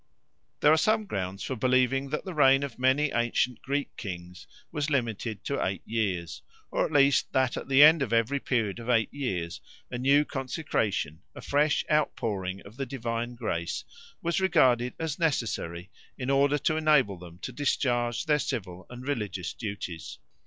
There are some grounds for believing that the reign of many ancient Greek kings was limited to eight years, or at least that at the end of every period of eight years a new consecration, a fresh outpouring of the divine grace, was regarded as necessary in order to enable them to discharge their civil and religious duties.